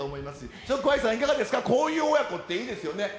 ＳＨＯＣＫＥＹＥさん、いかがですか、こういう親子っていいですよね。